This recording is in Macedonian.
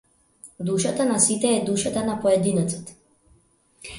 Душата на сите е душата на поединецот.